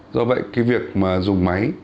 do vậy cái việc mà dùng máy